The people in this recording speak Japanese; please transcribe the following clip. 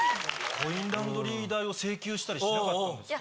コインランドリー代を請求したりしなかったんですか？